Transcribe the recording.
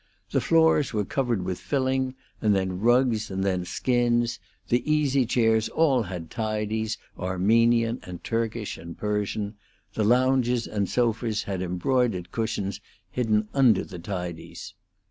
The floors were covered with filling, and then rugs and then skins; the easy chairs all had tidies, Armenian and Turkish and Persian; the lounges and sofas had embroidered cushions hidden under tidies.